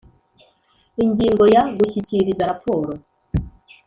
Ingingo ya Gushyikiriza raporo